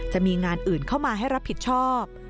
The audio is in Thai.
จะมีงานอื่นเข้ามาให้รับผิดชอบ